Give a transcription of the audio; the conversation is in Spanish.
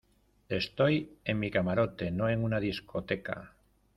estoy en mi camarote, no en una discoteca.